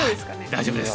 大丈夫です。